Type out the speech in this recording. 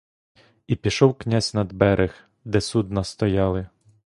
І пішов князь над берег, де судна стояли.